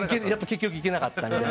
結局行けなかった。